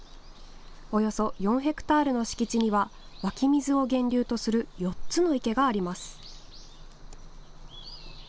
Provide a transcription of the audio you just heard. およそ４ヘクタールの敷地には湧水を源流とする４つの池があります。